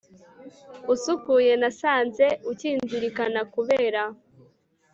usukuye, nasanze ukinzirikana, kubera